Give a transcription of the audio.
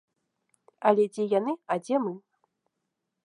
Але дзе яны, а дзе мы?